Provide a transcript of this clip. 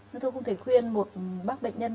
nhưng tôi không thể khuyên một bác bệnh nhân